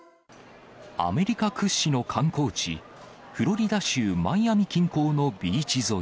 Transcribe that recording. アメリカ屈指の観光地、フロリダ州マイアミ近郊のビーチ沿い。